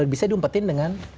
bisa diumpetin dengan